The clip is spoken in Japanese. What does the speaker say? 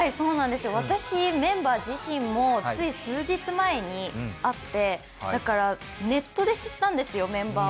私、メンバー自身も、つい数日前に会って、だからメンバーをネットで知ったんですよ。